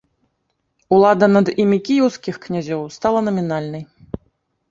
Улада над імі кіеўскіх князёў стала намінальнай.